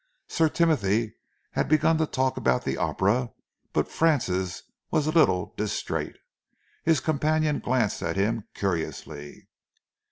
Sir Timothy had begun to talk about the opera but Francis was a little distrait. His companion glanced at him curiously.